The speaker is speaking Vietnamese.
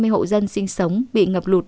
năm mươi hộ dân sinh sống bị ngập lụt